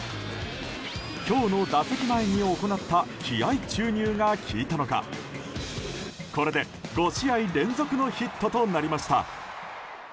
今日の打席前に行った気合注入が効いたのかこれで５試合連続のヒットとなりました。